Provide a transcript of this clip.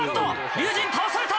龍心倒された！